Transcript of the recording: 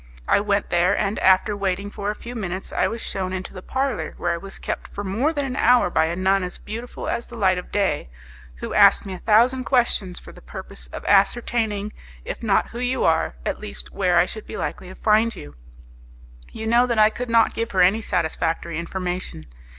I went there, and after waiting for a few minutes I was shewn into the parlour, where I was kept for more than an hour by a nun as beautiful as the light of day, who asked me a thousand questions for the purpose of ascertaining, if not who you are, at least where I should be likely to find you. You know that I could not give her any satisfactory information.